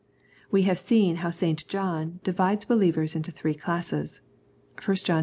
We have seen how St. John divides believers into three classes (i John ii.